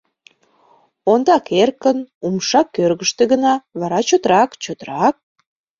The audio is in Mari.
Ондак эркын, умша кӧргыштӧ гына, вара чотрак, чотрак.